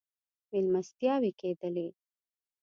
مېلمستیاوې کېدلې.